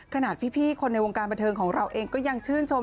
ขนาดพี่คนในวงการบันเทิงของเราเองก็ยังชื่นชม